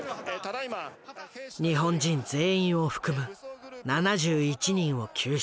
日本人全員を含む７１人を救出。